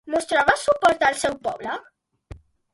Mostrava suport al seu poble?